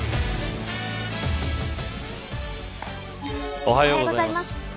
おはようございます。